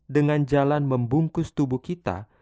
dengan jalan membungkus tubuh kita